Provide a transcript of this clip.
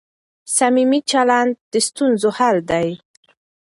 صمیمي چلند د ستونزو حل دی.